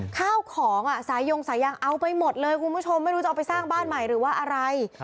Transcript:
ข้าวของอ่ะสายงสายางเอาไปหมดเลยคุณผู้ชมไม่รู้จะเอาไปสร้างบ้านใหม่หรือว่าอะไร